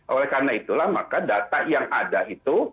oleh karena itulah maka data yang ada itu